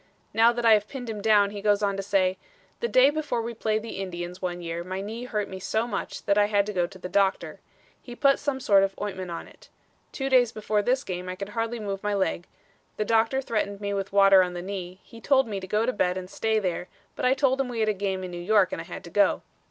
Now that I have pinned him down, he goes on to say: "The day before we played the Indians one year my knee hurt me so much that I had to go to the doctor. He put some sort of ointment on it. Two days before this game I could hardly move my leg; the doctor threatened me with water on the knee; he told me to go to bed and stay there, but I told him we had a game in New York and I had to go.